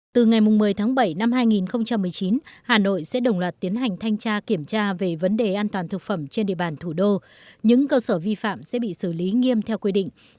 từ ngày một mươi tháng bảy năm hai nghìn một mươi chín hà nội sẽ đồng loạt tiến hành thanh tra kiểm tra về vấn đề an toàn thực phẩm trên địa bàn thủ đô những cơ sở vi phạm sẽ bị xử lý nghiêm theo quy định